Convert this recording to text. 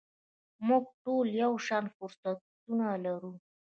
موږ ټول یو شان فرصتونه لرو .